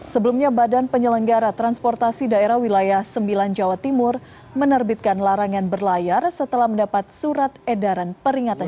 sebelumnya badan penyelenggara transportasi daerah wilayah sembilan jawa timur menerbitkan larangan berlayar setelah mendapat surat edaran peringatan